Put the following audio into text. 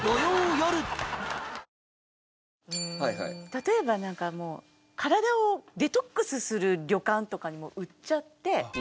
例えばなんかもう体をデトックスする旅館とかで売っちゃって。